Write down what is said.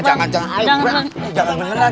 jangan jangan jangan